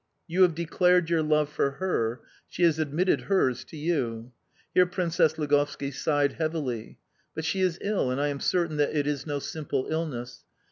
You have declared your love for her... She has admitted hers to you." Here Princess Ligovski sighed heavily. "But she is ill, and I am certain that it is no simple illness!